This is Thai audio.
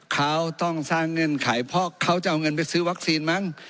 เขาต้องสร้างเงื่อนไขเพราะเขาจะเอาเงินไปซื้อวัคซีนมั้ง